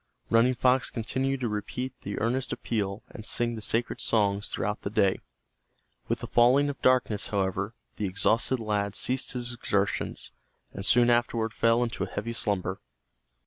Running Fox continued to repeat the earnest appeal and sing the sacred songs throughout the day. With the falling of darkness, however, the exhausted lad ceased his exertions, and soon afterward fell into a heavy slumber.